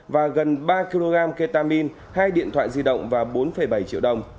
và gần ba kg ketamine hai điện thoại di động và bốn bảy triệu đồng